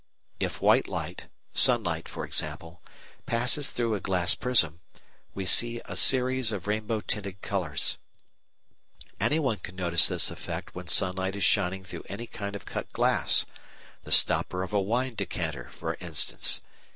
If white light (sunlight, for example) passes through a glass prism, we see a series of rainbow tinted colours. Anyone can notice this effect when sunlight is shining through any kind of cut glass the stopper of a wine decanter, for instance.